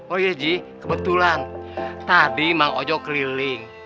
oh iya ji kebetulan tadi mang ojo keliling